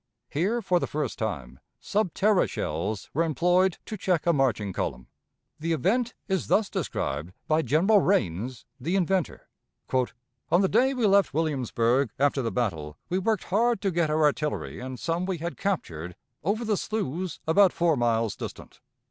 Here, for the first time, sub terra shells were employed to check a marching column. The event is thus described by General Rains, the inventor: "On the day we left Williamsburg, after the battle, we worked hard to get our artillery and some we had captured over the sloughs about four miles distant.